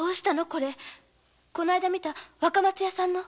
これこの間見た若松屋さんの？